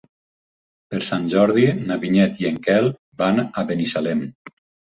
Per Sant Jordi na Vinyet i en Quel van a Binissalem.